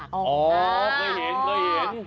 อ๋อเคยเห็น